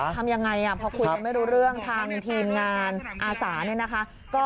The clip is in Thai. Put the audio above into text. ทำยังไงพอคุยกันไม่รู้เรื่องทางทีมงานอาสาเนี่ยนะคะ